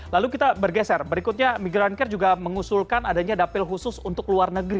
lalu kita bergeser berikutnya migran care juga mengusulkan adanya dapil khusus untuk luar negeri